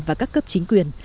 và các cấp chính quyền